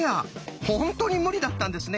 本当に無理だったんですね。